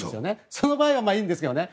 その場合はいいんですけどね